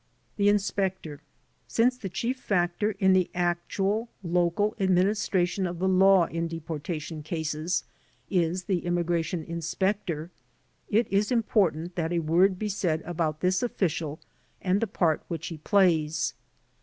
The Inspector Since the chief factor in the actual, local administra tion of the law in deportation cases is the immigration inspector, it is important that a word be said about this official and the part which he plays.